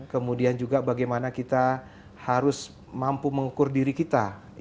kemudian juga bagaimana kita harus mampu mengukur diri kita